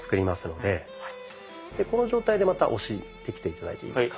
でこの状態でまた押してきて頂いていいですか？